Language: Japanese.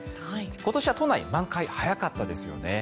今年は都内満開、早かったですよね。